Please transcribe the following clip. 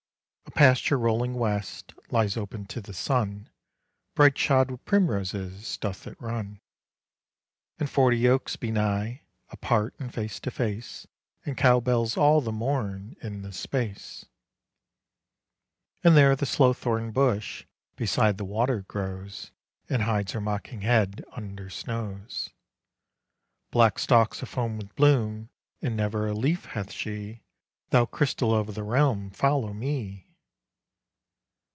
"A pasture rolling west Lies open to the sun, Bright shod with primroses Doth it run; And forty oaks be nigh, Apart, and face to face, And cow bells all the morn In the space. "And there the sloethorn bush Beside the water grows, And hides her mocking head Under snows; Black stalks afoam with bloom, And never a leaf hath she: Thou crystal of the realm, Follow me!"